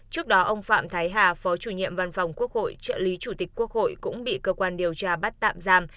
trước đó ông phạm thái hà phó chủ nhiệm văn phòng quốc hội trợ lý chủ tịch quốc hội cũng bị cơ quan điều tra bắt tạm giam